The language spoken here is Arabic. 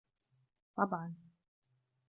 طبعاً.